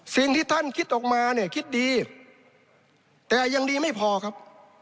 สิ่งที่ท่านคิดออกมาเนี่ยคิดดีแต่ยังดีไม่พอครับ